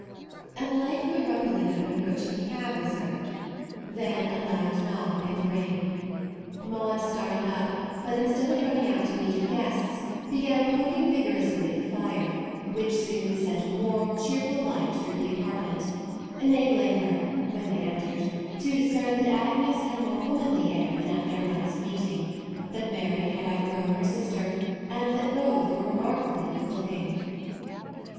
At length the rumbling of an ap proaching cab was heard ; then a 42 MAUDE loud knock and ring. Maude started up; but instead of running out to meet her guests, began poking vigor ously at the fire, which soon sent a warm, cheerful light through the apartment, enabling her, when they entered, to discern that Agnes had a more womanly air than at their last meeting, that Mary had outgrown her sister, and that both were re markably good looking.